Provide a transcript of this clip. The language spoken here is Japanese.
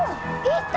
えっ。